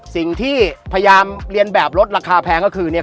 สิ่งที่พยายามเรียนแบบลดราคาแพงก็คือเนี่ย